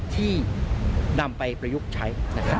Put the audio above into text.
ที่นำไปประยุกต์ใช้